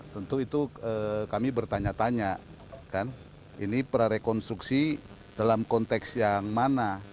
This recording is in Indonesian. tentu itu kami bertanya tanya kan ini prarekonstruksi dalam konteks yang mana